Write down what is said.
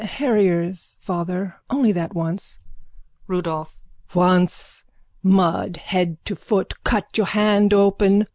_ Harriers, father. Only that once. RUDOLPH: Once! Mud head to foot. Cut your hand open.